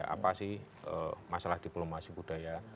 apa sih masalah diplomasi budaya